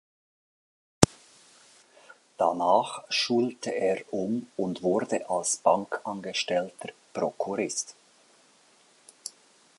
Danach schulte er um und wurde als Bankangestellter Prokurist.